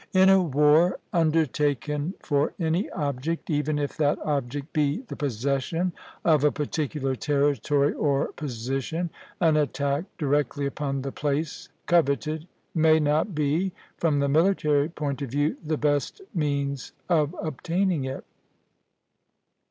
In a war undertaken for any object, even if that object be the possession of a particular territory or position, an attack directly upon the place coveted may not be, from the military point of view, the best means of obtaining it.